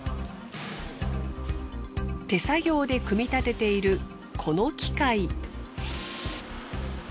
手作業で組み立てているこの機械。